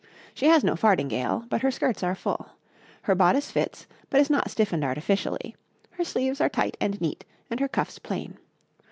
She has no fardingale, but her skirts are full. Her bodice fits, but is not stiffened artificially; her sleeves are tight and neat, and her cuffs plain.